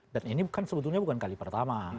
dan ini kan sebetulnya bukan kali pertama